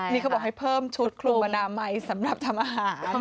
นี่เขาบอกให้เพิ่มชุดคลุมอนามัยสำหรับทำอาหาร